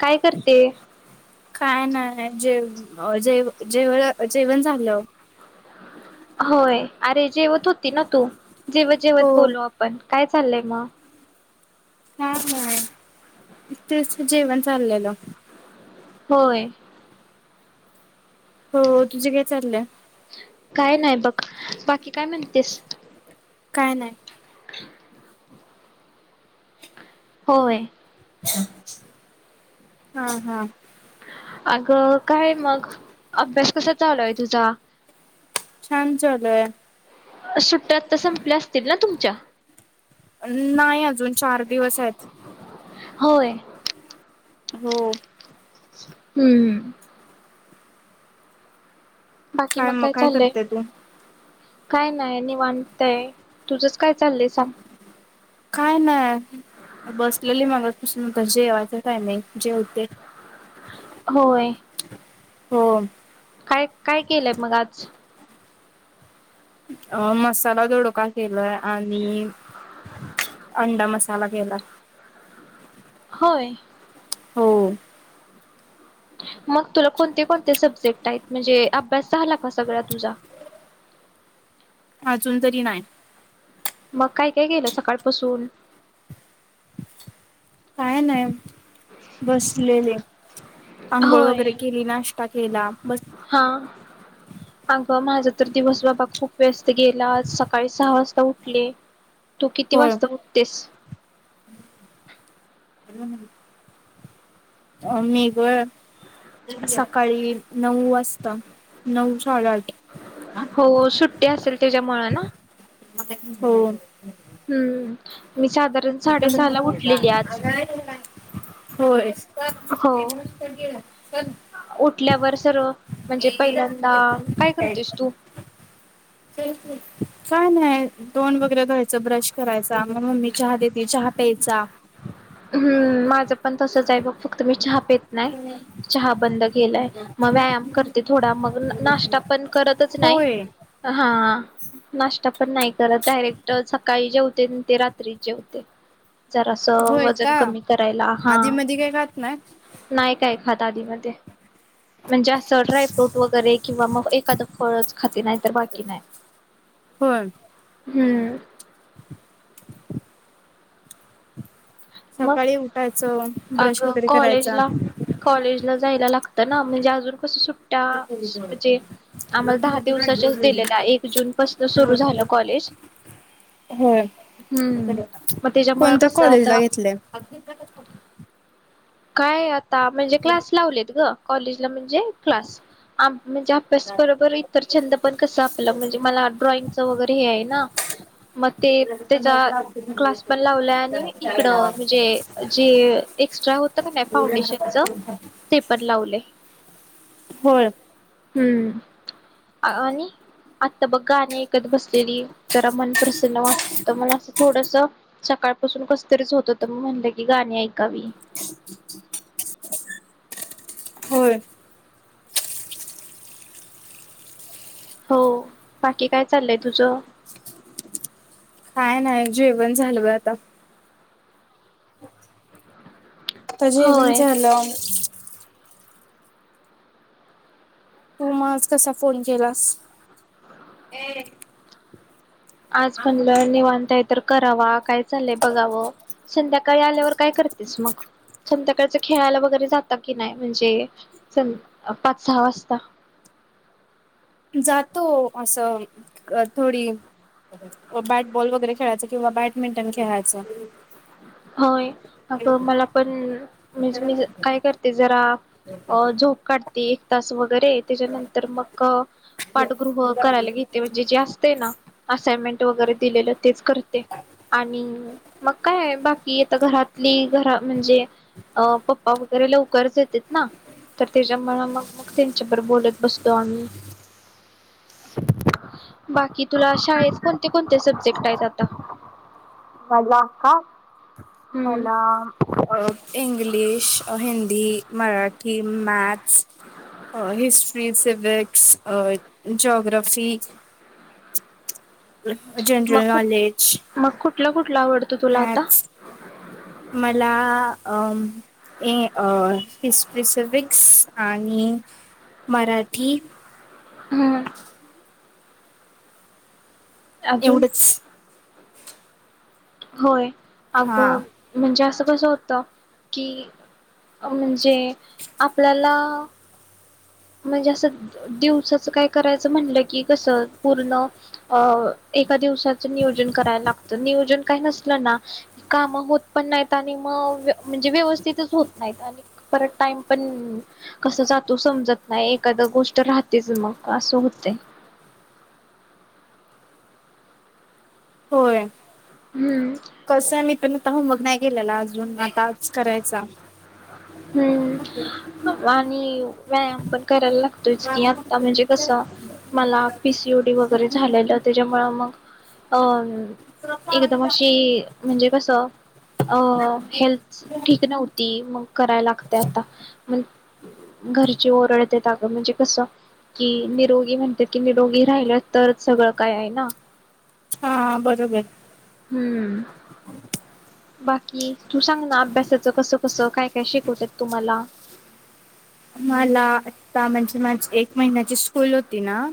काय करतेय? काय नाय जेव अ जेव जेव जेवण झाल. होय, अरे जेवत होती न तू? जेवत जेवत हो. बोलु आपण. काय चाललय म? हा ह तेच जेवण चाललेल. होय. हो तुझे काय चाललय? काय नाही बघ बाकी काय म्हणतेस? काय नाय. [inaudible] होय. हा हा अग, काय मग? अब्यास कसा चालूया तुझा? छान चालूया. सुट्ट्या त तर संपल्या असतील ना तुमच्या? नायी अजून चार दिवस आहेत. होय. हो. हम्म. बाकी मग काय चाललय? काय नाय निवांतय तुझंच काय चाललय सांग. काय नाय बसलेली मगाचपासून आता जेवायचं टायमिंग जेवते होय हो काय काय केलंय मग आज अ मसाला दोडका केलाय आणि अंडा मसाला केला होय हो मग तुला कोणते कोणते सब्जेक्ट आहेत म्हणजे अभ्यास झाला का सगळा तुझा अजून तरी नाही मग काय काय गेलं सकाळपासून काय नाही बसलेले अंघोळ, होय. वगैरे केली नाश टा केला बस हा अगं माझा तर दिवस बाबा खूप व्यस्त गेला आज सकाळी सहा वाजता उठले तू किती होय वाजता उटतेस [unintelligible] आ मी होय सकाळी नऊ वाजता नऊ साडेआठ हो सुट असेल त्याच्यामुळं ना हो हम्म मी साध साडे सहाला उठलेली आज होय हो उठल्यावर सर्व म्हणजे पहिल्यांदा काय करतेस तू काय नाही तोंड वगैरे धुवायच ब्रश करायचा मग ममी चहा देते चहा प्यायचा हम्म माझं पण तसच आहे बघ फक्त मी चहा पेत नाही चहा बंद केलाय मग व्यायाम करते थोडा मग नाश्ता पण करतच नाही होय हा नाश्ता पण नाही करत डायरेक्ट सकाळी जेवते ते रात्रीचे जेवते जरासं होय का कमी करायला हा आधी मधी काय खात नाय नाही काय म्हणजे असं ड्रायफ्रूट वगैरे किंवा मग एखादं फळच खाते नाही तर बाकी नाही होय हम्म मग सकाळी उठायचं ब्रश अगं वगैरे करायचा. कॉलेजला कॉलेजला जायला लागतं ना म्हणजे अजून कसं सुट्टी म्हणजे आम्हाला दहा दिवसाच्याच दिलेल्या एक जून पासून सुरू झालं कॉलेज होय हम् मग त्याच्यामुळे कोणत्या कस कॉलेजला आता [unintelligible] काय ता म्हणजे क्लास लावलेत ग. कॉलेजला म्हणजे क्लास आम् म्हणजे अभ्यास बरोबर इतर छंद पण कस आपलं म्हणजे मला ड्रॉइंगच वगैरे हे आहे ना, मग ते त्याचा क्लास पण लावलाय आणि इकड म्हणजे जे एक्स्ट्रा हो या तूम्ही फाउंडेशन च पेपर लावले होय हम् आणि आत्ता बघ गाणी ऐकत बसलेली जरा मन प्रसन्न वाटत तर मला असं थोडस सकाळपासून कसतरीच होतं तर म्हणलं की गाणी ऐक कवी. [inaudible] होय. हो. बाकी काय चाललंय तुझ? काय नाही जेवण झालू ये आता. अच्. आता जेवण होय झालं. तू म आज कसा फोन केलास? ए आज पण लय निवांत आहेत. तर करावा काय चालय बघावं, संध्याकाळी आल्यावर काय करतेस मग? संध्याकाळच खेळायला वगैरे जाता कि नाही म्हणजे सं पाच सहा वाजता. जातो असं थोडी बॅटबॉल वगैरे खेळायचं किंवा बॅडमिंटन खेळायचं होय अग मला पण म्हणजे काय करते जरा झोप काढ ते एक तास व वगैरे त्याच्यानंतर मग पाठगृह करायला घेते म्हणजे जे असतय ना असाइनमेंट वगैरे दिलेलं तेच करते आणि मग काय बाक कि आता घरातली घरा म्हणजे अ पप्पा वगैरे लवकरच येतेत ना तर त्याच्यामुमग मग त्यांच्यावर बोलत बसतो आम्ही, बाकी तुला शाळेत कोणते कोणते सब्जेक्ट आहेत आता? मला का? हम्म मला इंग्लिश, हिंदी, मराठ ही मॅ अ हिस्ट्री से [inaudible] अ जोग्रा [unintelligible] मग जनरल कुठ नॉलेज मग कुठला कुठला आवडतो तुला आता मॅथ्स मला अम्म ए अ हिस्टरी, सिविक्स आणि मराठी हम्म. अजून एवढंच. होय. हा अगो म्हणजे अस कसं होत, की अ म्हणजे आपल्याला म्हणजे असं दिवसाच काय करायचं म्हणलं कि कसं पूर्ण अ एका दिवसाच नियोजन करायला लागतं नियोजन काय नसल ना काम होत पण नाहीत आणि मग म्हणजे व्यवस्थितच होत नाहीत आणि परत टाइम पण कस जातो समजत नाही एखाद गोष्ट राहतेच मग असं होतय. होय. हम्म कसय मी तुला- होमवर्क नाही केलेला, अजून आता आज करायचा. हम्म आणि- व्यायाम पण करायला - तेच की आता म्ह्णजे कसं मला पी सी ओ डी वगैरे झालेलं त्याच्यामुळ मग- अ अ म - एकदम अशी इ- म्हणजे कसं अ - अ हेल्थ ठीक नव्हती मग - कराया लागतय आता, म्हण घरचे ओरडतेत आग म्हणजे कसं कि निरोगी म्हणते कि निरोगी राहिलं तर सगळं काय हाय ना. हा बरोबर. हम्म बाकी तू सांग ना अभ्यासाचं कस-कस, काय-काय शिकवतात तुम्हाला. मला आता म्हणजे माझी एक महिन्याची स्कूल होती ना-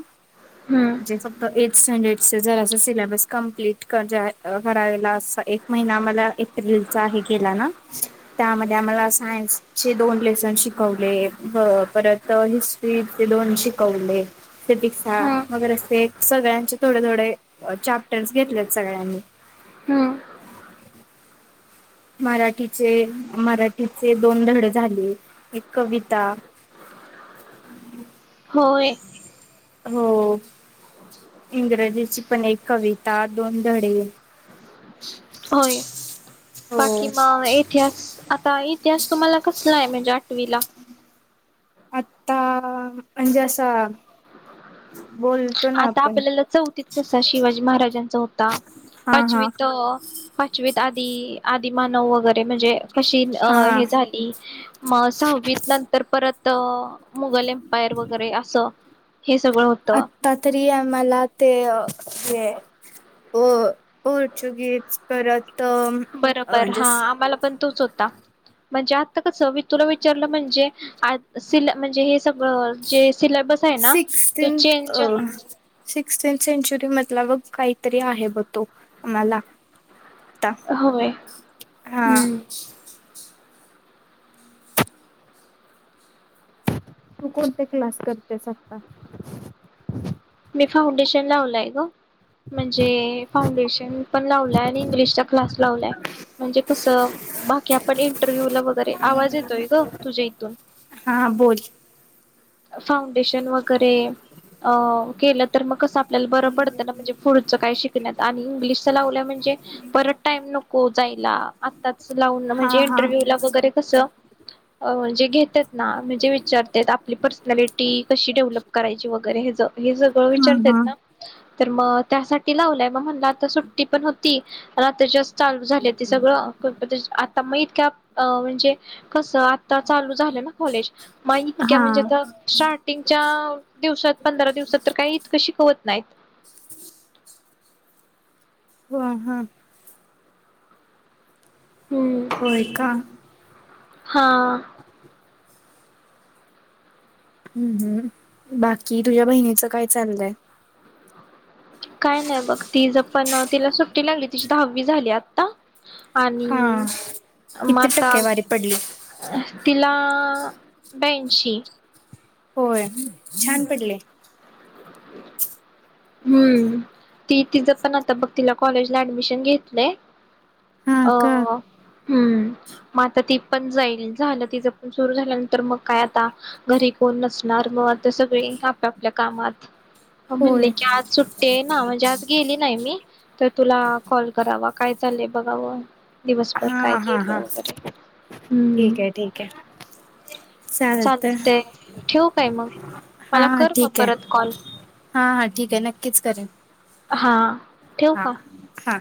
हम्म जेच एट स्टॅण्डर्ड च जर अस सिलॅबस कम्प- प्लीट [inaudible] अस एक महिना आम्हाला एप्रिलचा हे गेला ना, त्यामध्ये आम्हाला सायन्स चे दोन लेसन शिकवले. [inaudible] परत हिस्ट्री चे दोन शिकवले. हम्म [unintelligible] सगळ्यांचे थोडे-थोडे अ चाप्टर्स घेतलेत सगळ्यांनी. हम्म- मराठीचे मराठीचे दोन धडे झाले, एक कविता- होय- हो इंग्रजीची पण एक कविता, दोन धडे- होय हो बाकी म इतिहास आता- त्या- तुम्हाला कसला हाये म्ह्णजे आठवीला. आत्ता अ म्ह्णजे असं- आत्ता आपल्याला चौथीत कसा शिवाजी महाराजांचा होता. हा हा पाचवीत अ पाचवीत- आदी आदीमानव वगैरे- ते म्हंजे कशी अ हा हे झाली म सहावीत नंतर परत- त अ- मुगल एम्पायर वगैरे असं- हे सगळं होतं- आत्ता तरी आम्हाला ते अ हे पोर पोर्तुगिज परत- बरोबर म्हणजे हा आम्हाला पण तोच होता. म्हंजे आत्ता कस मी तुला विचारलं म्हंजे अ सिलॅ म्हंजे हे सग- जे सिलॅबस आहे ना ते सिक्स्टीन्थ चेंज.. सिक्स्टीन सेंच्युरी मधला बघ काहीतरी आहे ब तो आम्हाला. आता होय, हा हं तू कोणते क्लास करतेस आत्ता? मी फाउंडेशन लावलाय ग म्हणजे फाउंडेशन पण लावलाय आणि इंग्लिशचा क्लास लावलाय म्हणजे कसं बाकी आपण इंटरव्ह्यू ला वगैरे.. आवाज येतोय गं तुझ्या इथून. हा बोल फाउंडेशन वगैरे अं केलं तर मग कसं.. आपल्याला बरं पडतं ना म्हणजे पुढचं काय शिकण्यात आणि इंग्लिशचा लावल्या म्हणजे परत टाईम नको जायला. त्याचं लावून हा म्हणजे हा इंटरव्ह्यू ला वगैरे कसं अ म्हणजे घेत्यात ना म्हणजे विचारत्यात आपली पर्सनॅलिटी कशी डेव्हलप करायची वगैरे हेचं हे सगळं हा विचारत्यात हा ना? तर मग त्यासाठी लावलंय मग म्हणला आता सुट्टी पण होती. आ त्याच्या चालू झाले ते सगळं आता मग इतक्या अं म्हणजे कसं आता चालू झालं ना कॉलेज हा म्हणजे आ स्टार्टिंगच्या दिवसात पंधरा दिवसात तर काही इतकं शिकवत नाहीत. ह हं होय का? हां हं हं बाकी तुझ्या बहिणीचं काय चाललंय? काय नाही बघ तिज पण तिला सुट्टी लागली तिची दहावी झाली आत्ता. हा किती आता टक्के वारी पडली? तिला ब्यांशी. होय, छान पडले. हं, ती तिचं पण आता बघ तिला कॉलेजला ऍडमिशन घेतलंय. हा अ का हं मग आता ती पण जाईल झालं तिचं पण सुरू झाल्यानंतर मग काय आता घरी कोण नसणार मग आता सगळे आपपल्या कामात. हो म्ह होय ल [unintelligible] की आज सुटते ना म्हणजे आज गेली नाही मी. तर तुला कॉल करावा काय चाललंय बघावं‌. दिवसभर काय हा हा गेलं हा वगैरे हं ठीक आहे ठीक आहे चालत चालतंय ठेऊ काय मग हा मला कर मग ठीक आहे. परत कॉल. हा हा ठीक आहे नक्कीच करेन हा ठेवू हा का हा